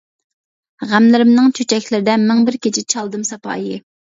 غەملىرىمنىڭ چۆچەكلىرىدە، مىڭبىر كېچە چالدىم ساپايى.